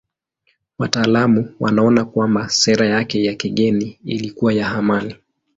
Wataalamu wanaona kwamba sera yake ya kigeni ilikuwa ya amani.